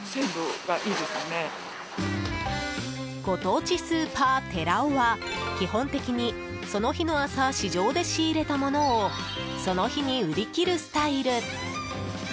ご当地スーパーてらおは基本的にその日の朝市場で仕入れたものをその日に売り切るスタイル。